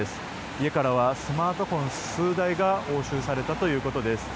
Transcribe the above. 家からはスマートフォン数台が押収されたということです。